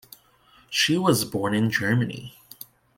She was born in Germany.